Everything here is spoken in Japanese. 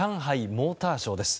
モーターショーです。